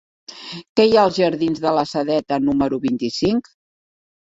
Què hi ha als jardins de la Sedeta número vint-i-cinc?